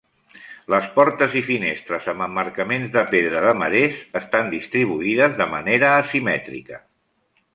Les portes i finestres, amb emmarcaments de pedra de marés, estan distribuïdes de manera asimètrica.